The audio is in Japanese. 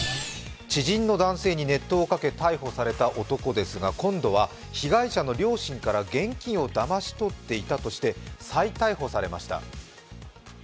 知人の男性に熱湯をかけ逮捕された男ですが今度は被害者の両親から現金をだまし取っていたとして再逮捕されました。